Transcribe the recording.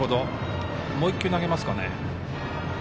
もう１球投げますかね。